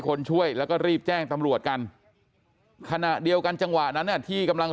คนช่วยแล้วก็รีบแจ้งตำรวจกันขณะเดียวกันจังหวะนั้นที่กำลัง